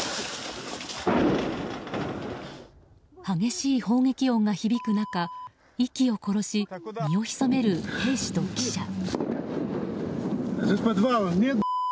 激しい砲撃音が響く中息を殺し身をひそめる兵士と記者。